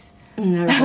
なるほど。